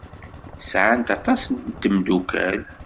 Sɛant aṭas n tmeddukal.